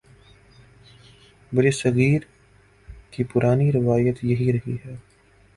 برصغیر کی پرانی روایت یہی رہی ہے۔